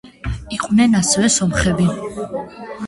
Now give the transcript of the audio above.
იყვნენ ასევე სომხები.